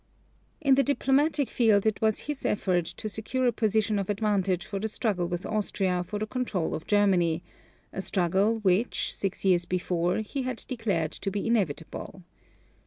In the diplomatic field it was his effort to secure a position of advantage for the struggle with Austria for the control of Germany, a struggle which, six years before, he had declared to be inevitable.